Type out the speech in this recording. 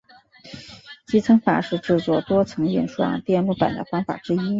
积层法是制作多层印刷电路板的方法之一。